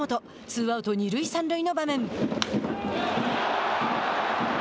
ツーアウト、二塁三塁の場面。